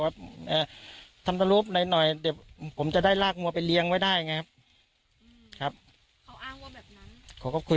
กลุ่มกลุ่มคนประมาณสี่ห้าคนตรงนั้นเขามีแบบว่าพฤติการอะไรที่ดู